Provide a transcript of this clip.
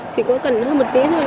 chỉ có cần hơn một tí thôi